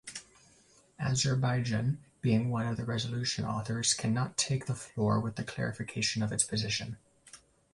Azerbaijan being one of the resolution authors cannot take the floor with the clarification of its position.